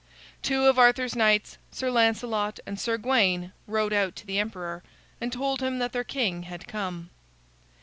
Two of Arthur's knights, Sir Lancelot and Sir Gawain, rode out to the emperor, and told him that their king had come.